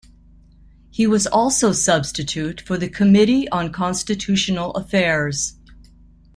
He was also substitute for the Committee on Constitutional Affairs.